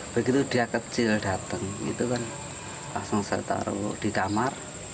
begitu dia kecil datang itu kan langsung saya taruh di kamar